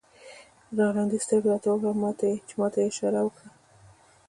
رینالډي سترګه راته ووهله چې ما ته یې اشاره وکړه.